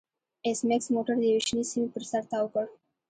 ایس میکس موټر د یوې شنې سیمې پر سر تاو کړ